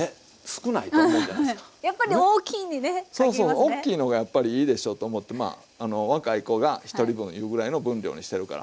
おっきいのがやっぱりいいでしょと思ってまあ若い子が１人分いうぐらいの分量にしてるから。